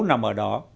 nằm ở đó